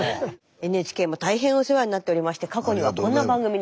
ＮＨＫも大変お世話になっておりまして過去にはこんな番組にご出演も。